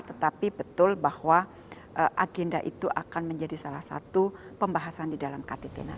tetapi betul bahwa agenda itu akan menjadi salah satu pembahasan di dalam ktt